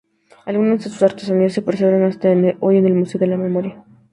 Algunas de sus artesanías se preservan hasta hoy en el Museo de la Memoria.